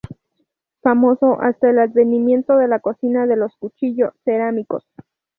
Famoso hasta el advenimiento en la cocina de los cuchillo cerámicos.